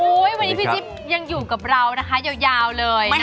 วันนี้พี่จิ๊บยังอยู่กับเรานะคะยาวเลยนะคะ